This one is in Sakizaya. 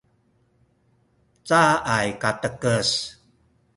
caay katekes